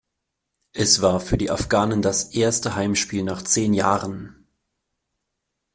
Es war für die Afghanen das erste Heimspiel nach zehn Jahren.